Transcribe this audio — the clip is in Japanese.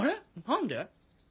何で？